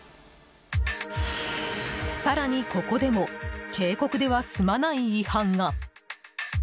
更に、ここでも警告では済まない違反が。